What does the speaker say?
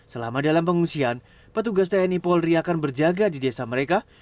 selama dalam pengungsian petugas tni polri akan berjaga di desa mereka